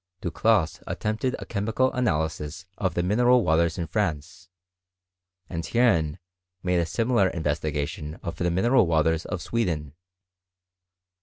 Du Clos attempted a chemical analysis of the mineral waters in France ; and Hierne made a similar investi' ^tion of the mineral waters of Sweden.